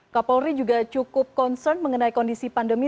kapolri juga cukup concern mengenai kondisi pandemi